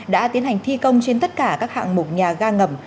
đã tiến hành thi công trên tất cả các hạng mục nhà ga ngầm